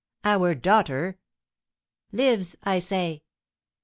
"Our daughter!" "Lives, I say!"